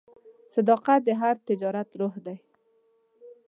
صداقت د هر تجارت روح دی.